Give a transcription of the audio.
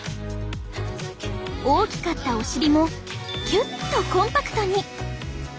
大きかったお尻もキュッとコンパクトに！